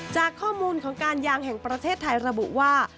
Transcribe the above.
จากข้อมูลของการยางแห่งประเทศไทยระบุว่า